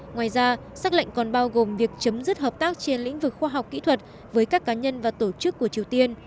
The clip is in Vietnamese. ngoài ra xác lệnh còn bao gồm việc chấm dứt hợp tác trên lĩnh vực khoa học kỹ thuật với các cá nhân và tổ chức của triều tiên